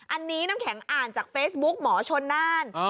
อันนี้น้ำแข็งอ่านจากเฟซบุ๊กหมอชนน่าน